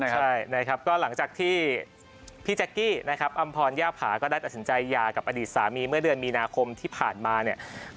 ใช่นะครับก็หลังจากที่พี่แจ๊กกี้นะครับอำพรย่าผาก็ได้ตัดสินใจหย่ากับอดีตสามีเมื่อเดือนมีนาคมที่ผ่านมาเนี่ย